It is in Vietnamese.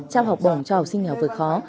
trao học bổng cho học sinh nghèo vượt khó